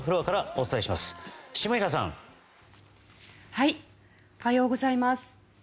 おはようございます。